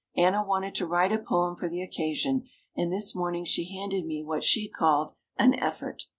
Anna wanted to write a poem for the occasion and this morning she handed me what she called "An effort."